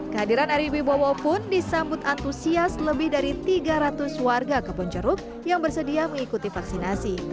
kehadiran ari wibowo pun disambut antusias lebih dari tiga ratus warga kebonceruk yang bersedia mengikuti vaksinasi